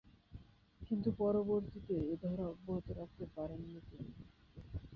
কিন্তু, পরবর্তীতে এ ধারা অব্যাহত রাখতে পারেননি তিনি।